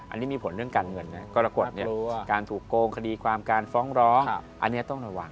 อันนี้มีผลเรื่องการเงินนะกรกฎการถูกโกงคดีความการฟ้องร้องอันนี้ต้องระวัง